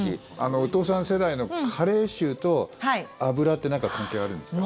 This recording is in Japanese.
お父さん世代の加齢臭と脂ってなんか関係あるんですか？